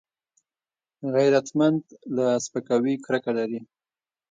غیرتمند له سپکاوي کرکه لري